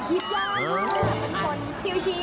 สุดท้ายสุดท้าย